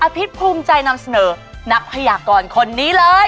พิษภูมิใจนำเสนอนักพยากรคนนี้เลย